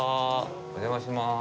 お邪魔します。